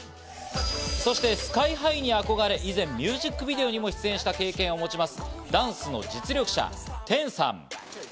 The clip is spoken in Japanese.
そしてＳＫＹ−ＨＩに憧れ、以前ミュージックビデオにも出演した経験を持ちます、ダンスの実力者、テンさん。